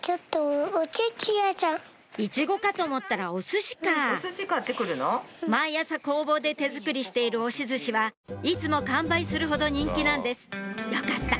イチゴかと思ったらお寿司か毎朝工房で手作りしている押し寿司はいつも完売するほど人気なんですよかった！